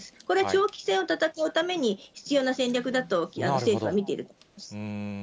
これ、長期戦を戦うために必要な戦略だと、政府は見ているんです。